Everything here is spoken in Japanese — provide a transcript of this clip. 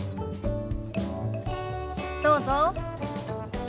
どうぞ。